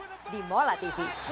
kusip di mola tv